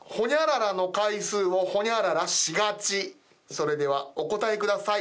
それではお答え下さい。